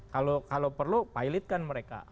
kalau perlu pilotkan mereka